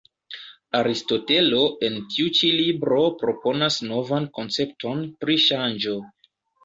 Aristotelo en tiu ĉi libro proponas novan koncepton pri ŝanĝo.